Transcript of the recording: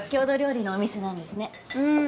うん。